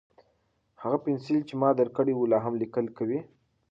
هغه پنسل چې ما درکړی و، لا هم لیکل کوي؟